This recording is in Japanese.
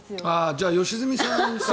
じゃあ良純さんか。